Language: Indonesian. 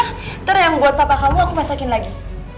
ntar yang buat bapak kamu aku masakin lagi